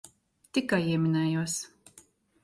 Tikai ieminējos.